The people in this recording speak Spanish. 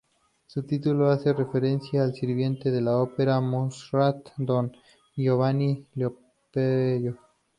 Su título hace referencia al sirviente en la ópera de Mozart "Don Giovanni", Leporello.